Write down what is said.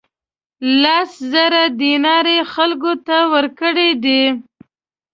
لس زره دینار یې خلکو ته ورکړي دي.